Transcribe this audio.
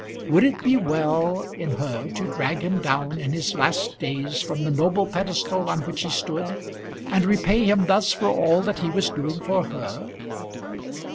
Would it be well in her to drag him down in his last days from the noble pedestal on which he stood, and repay him thus for all that he was doing for her?